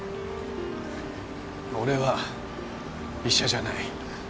俺は医者じゃない